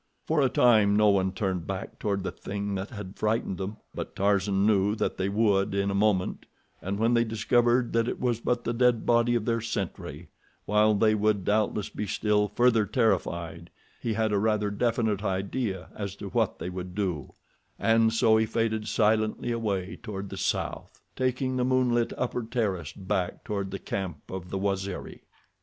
For a time no one turned back toward the thing that had frightened them, but Tarzan knew that they would in a moment, and when they discovered that it was but the dead body of their sentry, while they would doubtless be still further terrified, he had a rather definite idea as to what they would do, and so he faded silently away toward the south, taking the moonlit upper terrace back toward the camp of the Waziri.